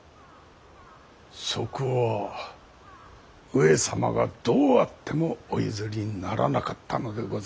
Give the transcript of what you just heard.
そこは上様がどうあってもお譲りにならなかったのでございます。